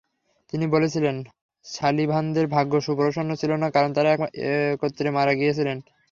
তিনি বলেছিলেন, সালিভানদের ভাগ্য সুপ্রসন্ন ছিল না, কারণ তাঁরা একত্রে মারা গিয়েছিলেন।